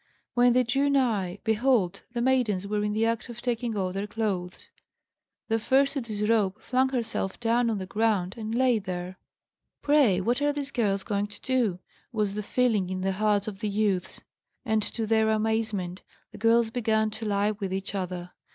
When they drew nigh, behold, the maidens were in the act of taking off their clothes. The first to disrobe flung herself down on the ground and lay there. 'Pray, what are these girls going to do?' was the feeling in the hearts of the youths. And to their amazement the girls began to lie with each other.